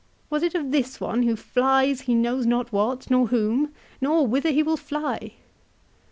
Was it of this one who flies he knows not what, nor whom ; nor whither he will fly